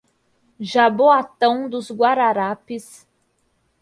Jaboatão Dos Guararapes